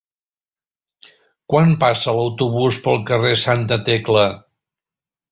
Quan passa l'autobús pel carrer Santa Tecla?